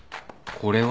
これは？